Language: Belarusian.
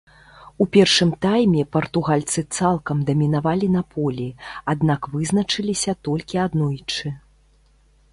У першым тайме партугальцы цалкам дамінавалі на полі, аднак вызначыліся толькі аднойчы.